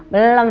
belum deh tapi